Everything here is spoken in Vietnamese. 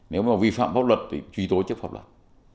nếu mà vi phạm pháp luật thì truy tố trước pháp luật